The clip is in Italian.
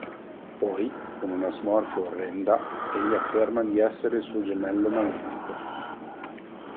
Poi, con una smorfia orrenda, egli afferma di essere il suo gemello malefico.